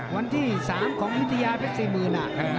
วันที่๓ของอิทยาพิษมือน่ะ